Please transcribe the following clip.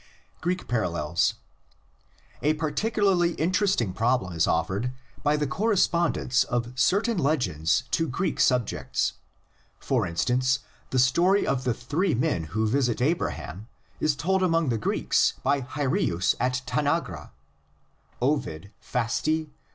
GREEK PARALLELS. A particularly interesting problem is offered by the correspondence of certain legends to Greek sub jects; for instance the story of the three men who visit Abraham is told among the Greeks by Hyrieus at Tanagra (Ovid, Fast., V.